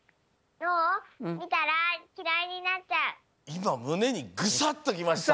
いまむねにグサッときました。